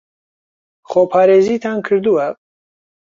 خۆپارێزیتان کردووە؟